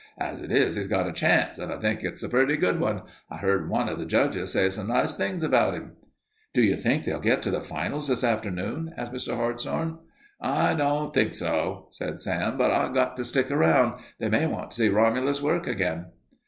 As it is he's got a chance, and I think it's a pretty good one. I heard one of the judges say some nice things about him." "Do you think they'll get to the finals this afternoon?" asked Mr. Hartshorn. "I don't think so," said Sam, "but I've got to stick around. They may want to see Romulus work again."